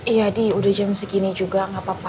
iya adi udah jam segini juga enggak apa apa